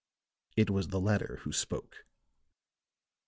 It was the latter who spoke.